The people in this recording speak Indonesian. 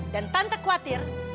dan tante khawatir